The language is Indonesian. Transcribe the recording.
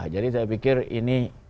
jadi saya pikir ini